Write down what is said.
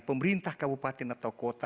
pemerintah kabupaten atau kota